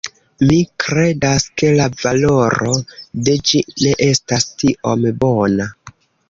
Mi kredas, ke la valoro de ĝi ne estas tiom bona